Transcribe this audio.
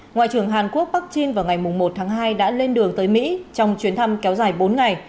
ngoại trưởng hàn quốc parkin vào ngày một tháng hai đã lên đường tới mỹ trong chuyến thăm kéo dài bốn ngày